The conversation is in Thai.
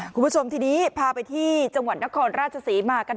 คุณผู้ชมทีนี้พาไปที่จังหวัดนครราชศรีมากัน